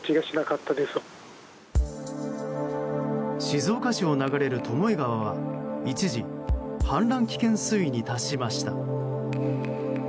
静岡市を流れる巴川は、一時氾濫危険水位に達しました。